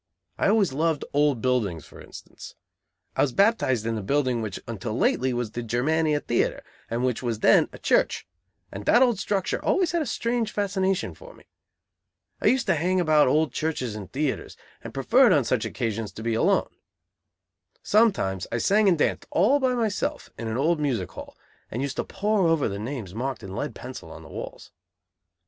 I always loved old buildings, for instance. I was baptized in the building which was until lately the Germania Theatre, and which was then a church; and that old structure always had a strange fascination for me. I used to hang about old churches and theatres, and preferred on such occasions to be alone. Sometimes I sang and danced, all by myself, in an old music hall, and used to pore over the names marked in lead pencil on the walls.